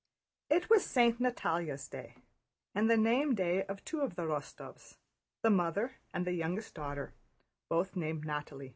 It was St. Natalia's day and the name day of two of the Rostóvs—the mother and the youngest daughter—both named Nataly.